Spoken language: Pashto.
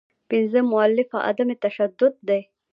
پنځمه مولفه عدم تشدد دی.